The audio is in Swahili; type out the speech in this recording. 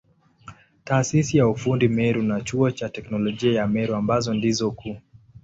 Taasisi ya ufundi Meru na Chuo cha Teknolojia ya Meru ambazo ndizo kuu.